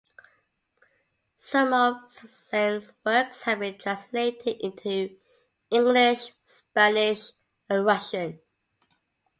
Some of Sassine's works have been translated into English, Spanish and Russian.